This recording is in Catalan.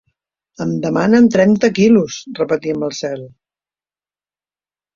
Em demanen trenta quilos! —repetí el Marcel—.